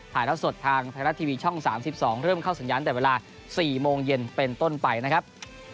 สดทางไทยรัฐทีวีช่อง๓๒เริ่มเข้าสัญญาณแต่เวลา๔โมงเย็นเป็นต้นไปนะครับ